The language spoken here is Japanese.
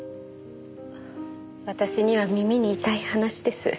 私には耳に痛い話です。